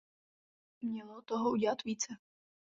Mělo toho udělat více.